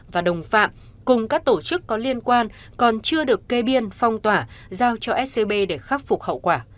và đồng phạm cùng các tổ chức có liên quan còn chưa được kê biên phong tỏa giao cho scb để khắc phục hậu quả